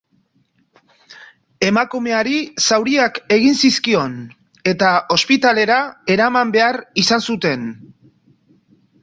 Emakumeari zauriak egin zizkion eta ospitalera eraman behar izan zuten.